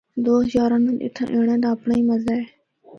دوست یاراں نال اِتھا اینڑا دا اپنڑا ای مزہ اے۔